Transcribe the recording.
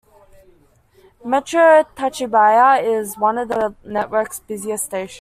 Metro Tacubaya is one of the network's busiest stations.